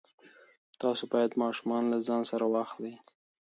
تاسو باید ماشومان له ځان سره واخلئ.